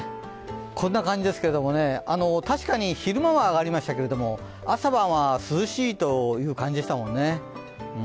こんな感じですけれども、確かに昼間は上がりましたけれども、朝晩は涼しいという感じでしたもんね。